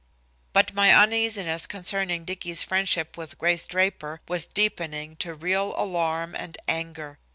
But my uneasiness concerning Dicky's friendship with Grace Draper was deepening to real alarm and anger.